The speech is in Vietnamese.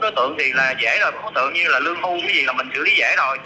nó tưởng thì là dễ rồi tưởng như là lương hưu cái gì là mình xử lý dễ rồi